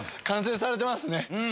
完成されてますね